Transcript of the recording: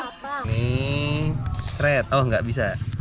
ini seret oh enggak bisa